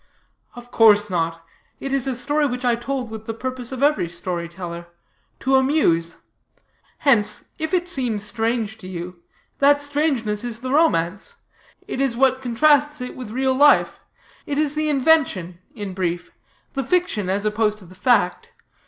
"Of course not; it is a story which I told with the purpose of every story teller to amuse. Hence, if it seem strange to you, that strangeness is the romance; it is what contrasts it with real life; it is the invention, in brief, the fiction as opposed to the fact.